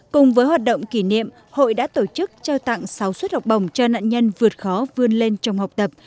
cùng với hoạt động kỷ niệm hội đã tổ chức trao tặng sáu suất học bổng cho nạn nhân vượt khó vươn lên trong học tập